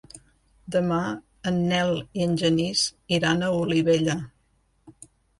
Demà en Nel i en Genís iran a Olivella.